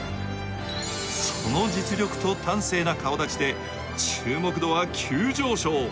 その実力と端正な顔だちで、注目度は急上昇。